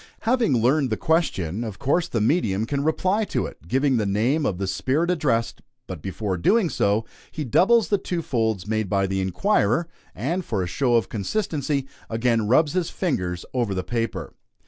Having learned the question, of course the medium can reply to it, giving the name of the spirit addressed; but before doing so, he doubles the two folds made by the inquirer, and, for a show of consistency, again rubs his fingers over the paper.